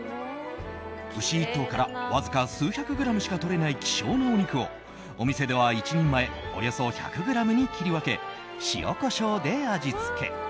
牛１頭からわずか数百グラムしか取れない希少なお肉をお店では１人前およそ１００ｇに切り分け塩、コショウで味付け。